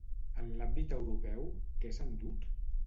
En l'àmbit europeu, què s'ha endut?